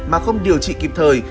mà không điều trị kịp thời